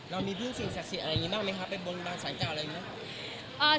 เรามีพึ่งสิ่งศักดิ์สิทธิ์อะไรอย่างนี้บ้างไหมคะไปบนบานสารเก่าอะไรอย่างนี้